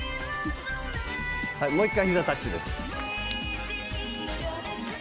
もう１回ひざタッチです。